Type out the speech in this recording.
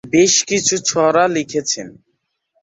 বেশকিছু ছড়া লিখেছেন।